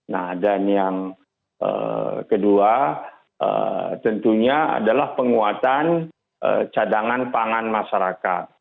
nah dan yang kedua tentunya adalah penguatan cadangan pangan masyarakat